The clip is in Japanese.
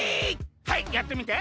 はいやってみて。